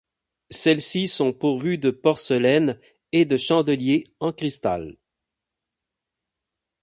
Celles-ci sont pourvues de porcelaines et de chandeliers en cristal.